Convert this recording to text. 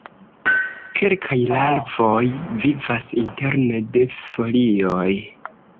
Kelkaj larvoj vivas interne de folioj.